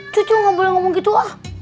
cucu nggak boleh ngomong gitu ah